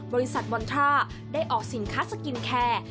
บริษัทบอลทราได้ออกสินค้าสกินแคร์